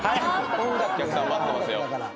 お客さん待ってますよ。